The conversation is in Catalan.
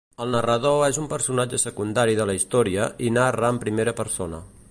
El narrador és un personatge secundari de la història i narra en primera persona.